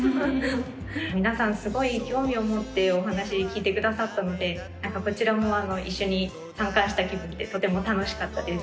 皆さんすごい興味を持ってお話聞いてくださったのでこちらも一緒に参加した気分でとても楽しかったです。